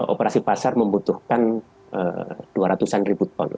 operasi pasar membutuhkan dua ratus an ribu ton